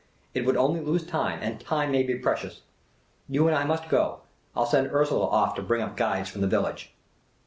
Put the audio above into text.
It would only lose time — and time may be precious. You and I must go ; I '11 send Ursula off to bring up guides from the village."